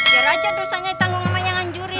biar aja dosanya ditanggung sama yang anjurin